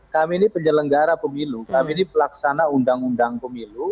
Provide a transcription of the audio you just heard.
kami ini penyelenggara pemilu kami ini pelaksana undang undang pemilu